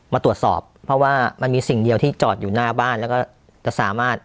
มาตรวจสอบเพราะว่ามันมีสิ่งเดียวที่จอดอยู่หน้าบ้านแล้วก็จะสามารถ